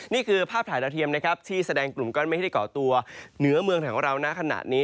นี่คือภาพถ่ายดาวเทียมนะครับที่แสดงกลุ่มกรมไม่ได้ก่อตัวเหนือเมืองของเรานะขนาดนี้